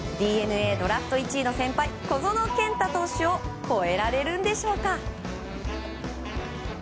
ＤｅＮＡドラフト１位の先輩小園健太選手を超えられるんでしょうか。